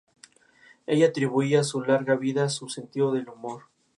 El año siguiente asume como editor de servicios informativos.